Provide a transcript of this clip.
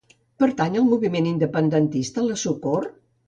Pertany al moviment independentista la Socor?